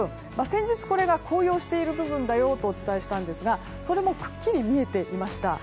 先日これが、紅葉している部分だよとお伝えしたんですがそれもくっきり見えていました。